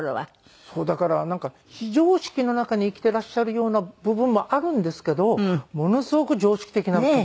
だからなんか非常識の中に生きていらっしゃるような部分もあるんですけどものすごく常識的なところもおありになる方でした。